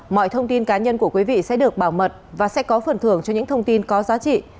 mọi thông tin cá nhân của quý vị sẽ được bảo mật và sẽ có phần thưởng cho những thông tin có giá trị